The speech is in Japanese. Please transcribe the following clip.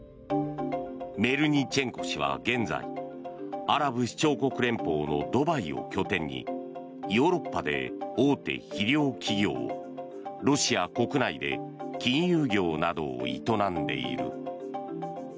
メルニチェンコ氏は現在アラブ首長国連邦のドバイを拠点にヨーロッパで大手肥料企業をロシア国内で金融業などを営んでいる。